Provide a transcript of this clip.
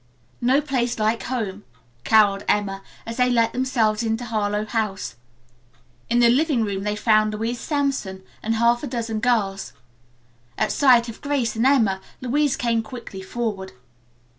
"No place like home," caroled Emma as they let themselves into Harlowe House. In the living room they found Louise Sampson and half a dozen girls. At sight of Grace and Emma, Louise came quickly forward.